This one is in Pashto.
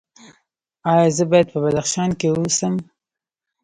ایا زه باید په بدخشان کې اوسم؟